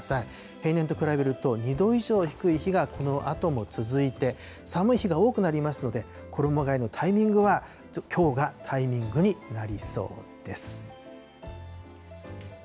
平年と比べると、２度以上低い日がこのあとも続いて、寒い日が多くなりますので、衣がえのタイミングは、きょうがタイミングになりそうです。